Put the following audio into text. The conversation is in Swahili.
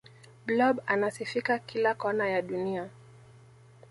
blob anasifika kila kona ya dunia